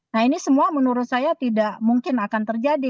nah ini semua menurut saya tidak mungkin akan terjadi